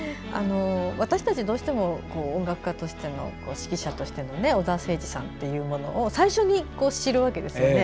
私たち、どうしても音楽家としての指揮者としての小澤征爾さんというものを最初に知るわけですよね。